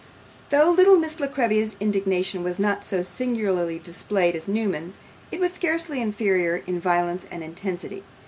Though little Miss La Creevy's indignation was not so singularly displayed as Newman's, it was scarcely inferior in violence and intensity.